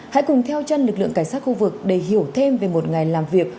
hãy cùng theo chân lực lượng cảnh sát khu vực để hiểu thêm về một ngày làm việc